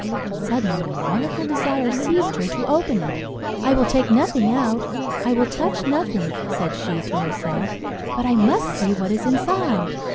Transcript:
Suddenly a wonderful desire seized her to open it. "I will take nothing out, I will touch nothing," said she to herself, "but I must see what is inside."